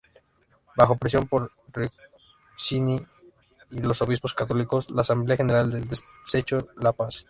Bajo presión por Rinuccini y los obispos católicos, la asamblea general desechó la paz.